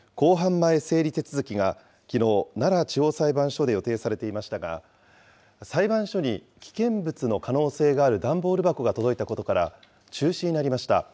前整理手続きがきのう、奈良地方裁判所で予定されていましたが、裁判所に危険物の可能性がある段ボール箱が届いたことから、中止になりました。